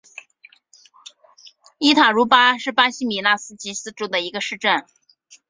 伊塔茹巴是巴西米纳斯吉拉斯州的一个市镇。